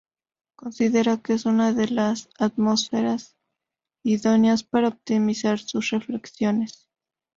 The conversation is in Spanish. Considera que esa es la atmósfera idónea para optimizar sus reflexiones.